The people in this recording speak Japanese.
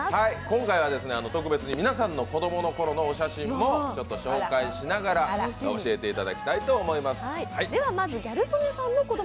今回は特別に皆さんの子供のころのお写真もちょっと紹介しながら教えていただきたいと思います。